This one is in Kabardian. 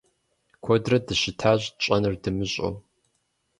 Куэдрэ дыщытащ, тщӀэнур дымыщӀэу.